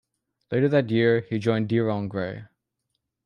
Later that year, he joined Dir en grey.